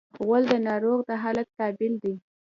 غول د ناروغ د حالت تابل دی.